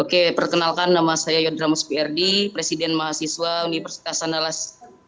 oke perkenalkan nama saya yodra musbierdi presiden mahasiswa universitas andalas